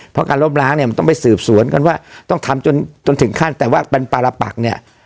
เพราะการลบล้างเนี่ยมันต้องไปสืบสวนกันว่าต้องทำจนจนถึงขั้นแต่ว่าเป็นปารปักเนี่ย